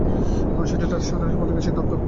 কারণ, সেটিও তাদের স্বাধীন সম্পাদকীয় সিদ্ধান্ত।